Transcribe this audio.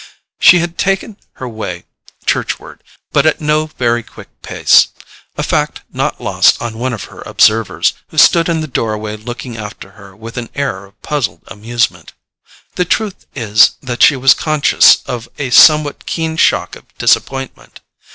She was taking her way churchward, but at no very quick pace; a fact not lost on one of her observers, who stood in the doorway looking after her with an air of puzzled amusement. The truth is that she was conscious of a somewhat keen shock of disappointment.